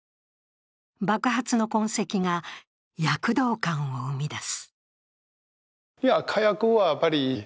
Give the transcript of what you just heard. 爆発の痕跡が躍動感を生み出す。